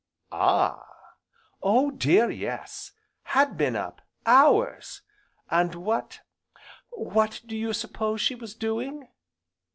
"Ah!" "Oh dear yes! had been up hours! And what what do you suppose she was doing?"